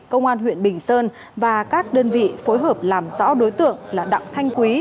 công an huyện bình sơn và các đơn vị phối hợp làm rõ đối tượng là đặng thanh quý